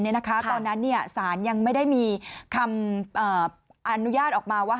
ตอนนั้นศาลยังไม่ได้มีคำอนุญาตออกมาว่า